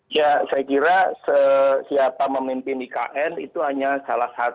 ya saya kira siapa memimpin ikn itu hanya salah satu